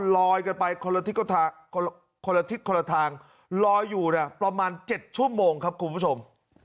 รอยกันไปคนละทิศคนละทางรอยอยู่เนี่ยประมาณ๗ชั่วโมงครับคุณผู้ชม